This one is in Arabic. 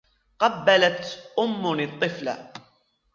قبّلتْ أمٌّ الطفلَ.